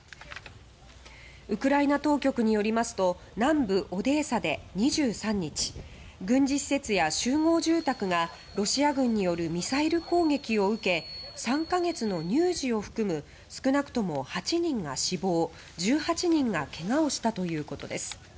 ウクライナ当局によりますと南部オデーサで、２３日軍事施設や集合住宅がロシア軍によるミサイル攻撃を受け３か月の乳児を含む少なくとも８人が死亡１８人がけがをしたということです。